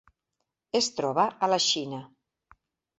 Es troba a la Xina: